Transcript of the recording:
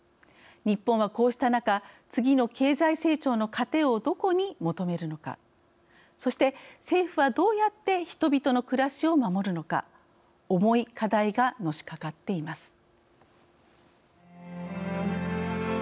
日本は、こうした中次の経済成長の糧をどこに求めるのかそして、政府は、どうやって人々の暮らしを守るのか重い課題がのしかかっています。